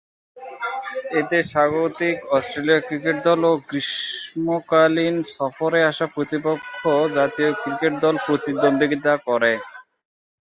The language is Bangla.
এতে স্বাগতিক অস্ট্রেলিয়া ক্রিকেট দল ও গ্রীষ্মকালীন সফরে আসা প্রতিপক্ষ জাতীয় ক্রিকেট দল প্রতিদ্বন্দ্বিতা করে।